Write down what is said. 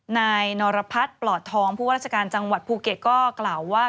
นายนรพัฒน์ปลอดทองผู้ว่าราชการจังหวัดภูเก็ตก็กล่าวว่า